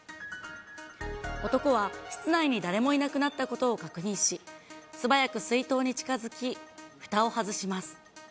男は室内に誰もいなくなったことを確認し、素早く水筒に近づき、ふたを外します。